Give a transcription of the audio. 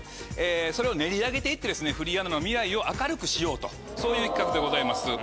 それを練り上げて行ってフリーアナの未来を明るくしようとそういう企画でございます。